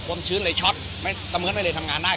ความชื้นเลยช็อตไม่เสมอไม่เลยทำงานได้